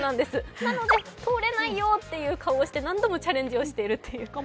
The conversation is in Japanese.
なので、「通れないよ」という顔をして何度もチャレンジをしているという。